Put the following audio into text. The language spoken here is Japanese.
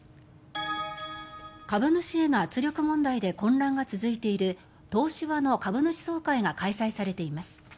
株主への圧力問題で混乱が続いている東芝の株主総会が開催されています。